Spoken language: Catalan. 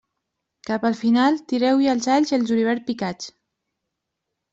Cap al final, tireu-hi els alls i el julivert picats.